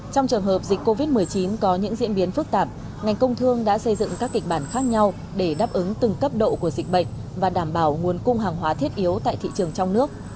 trong trường hợp dịch covid một mươi chín có những diễn biến phức tạp ngành công thương đã xây dựng các kịch bản khác nhau để đáp ứng từng cấp độ của dịch bệnh và đảm bảo nguồn cung hàng hóa thiết yếu tại thị trường trong nước